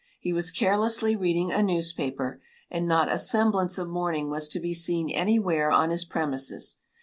He was carelessly reading a newspaper, and not a semblance of mourning was to be seen anywhere on his premises.